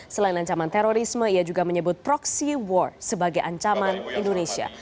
selain ancaman terorisme ia juga menyebut proxy war sebagai ancaman indonesia